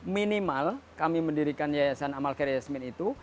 minimal kami mendirikan yayasan amal kerjasmin itu